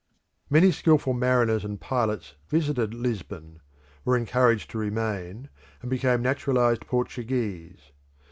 Many skilful mariners and pilots visited Lisbon, were encouraged to remain, and became naturalised Portuguese.